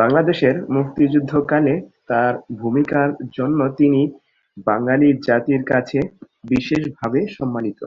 বাংলাদেশের মুক্তিযুদ্ধকালে তার ভূমিকার জন্য তিনি বাঙালি জাতির কাছে বিশেষভাবে সম্মানিত।